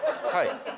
はい。